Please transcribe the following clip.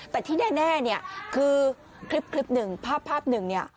แต่ที่แน่เนี่ยคือคลิปหนึ่งภาพภาพหนึ่งเนี่ย